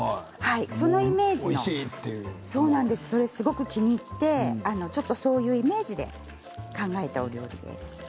そのイメージをすごく気に入ってそういうイメージで考えたお料理です。